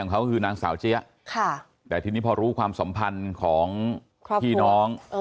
เขาคือนางสาวเจี๊ยะแต่ทีนี้พอรู้ความสัมพันธ์ของพี่น้อง